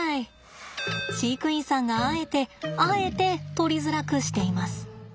飼育員さんがあえてあえて取りづらくしています。